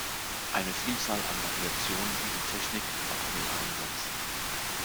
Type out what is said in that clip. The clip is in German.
Eine Vielzahl an Variationen dieser Technik waren im Einsatz.